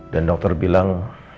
dan dokter bilang